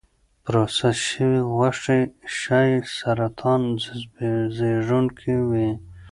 پروسس شوې غوښې ښایي سرطان زېږونکي وي.